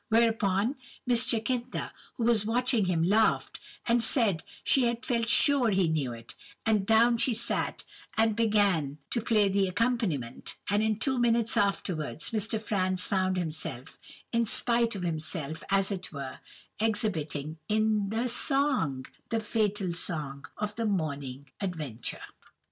Whereupon Miss Jacintha, who was watching him, laughed, and said she had felt sure he knew it; and down she sat, and began to play the accompaniment, and in two minutes afterwards Mr. Franz found himself—in spite of himself, as it were—exhibiting in the song, the fatal song of the morning's adventure.